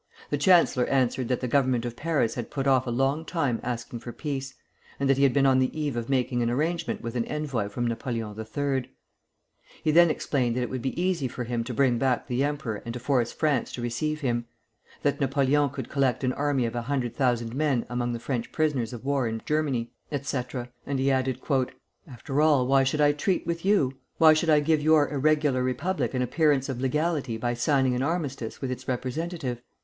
The chancellor answered that the Government of Paris had put off a long time asking for peace, and that he had been on the eve of making an arrangement with an envoy from Napoleon III. He then explained that it would be easy for him to bring back the emperor and to force France to receive him; that Napoleon could collect an army of a hundred thousand men among the French prisoners of war in Germany, etc.; and he added: "After all, why should I treat with you? Why should I give your irregular Republic an appearance of legality by signing an armistice with its representative?